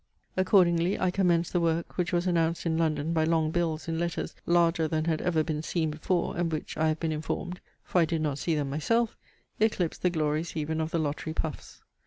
Accordingly, I commenced the work, which was announced in London by long bills in letters larger than had ever been seen before, and which, I have been informed, for I did not see them myself, eclipsed the glories even of the lottery puffs.